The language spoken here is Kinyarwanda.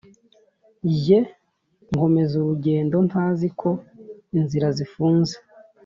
Jye nkomeza urugendo ntaziko inzira zifunze